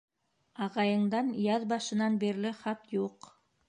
— Ағайыңдан яҙ башынан бирле хат юҡ.